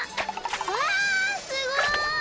うわすごい！